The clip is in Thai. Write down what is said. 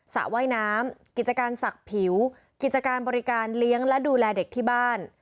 สระว่ายน้ำกิจการศักดิ์ผิวกิจการบริการเลี้ยงและดูแลเด็กที่บ้าน